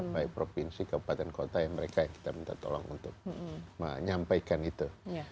baik provinsi kabupaten kota yang mereka yang kita minta tolong untuk menyampaikan itu